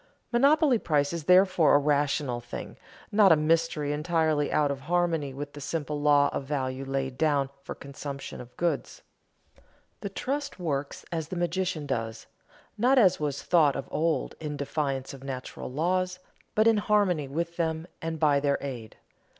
Monopoly price is therefore a rational thing, not a mystery entirely out of harmony with the simple law of value laid down for consumption goods. The trust works as the magician does, not as was thought of old, in defiance of natural laws, but in harmony with them and by their aid.